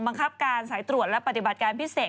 บังคับการสายตรวจและปฏิบัติการพิเศษ